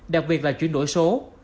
đặc biệt là chuyển đổi số